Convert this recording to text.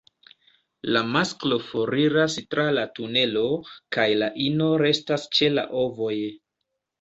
La masklo foriras tra la tunelo, kaj la ino restas ĉe la ovoj.